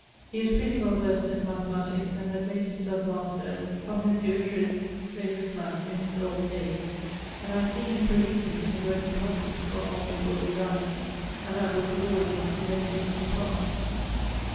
He was pretty well versed in the Mathematiques, and had made himselfe master of Mr. Oughtred's Clavis Math. in his old age; and I have seen him perusing it, and working problems, not long before he dyed, and that booke was alwayes in his meditating apartment.